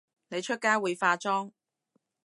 你出街會化妝？